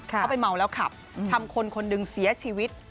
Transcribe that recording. เขาไปเมาแล้วขับทำคนคนหนึ่งเสียชีวิต